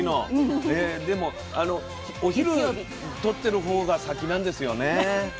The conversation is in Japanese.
でもお昼とってる方が先なんですよね。